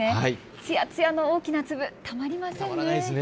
つやつやの大きな粒、たまりませんね。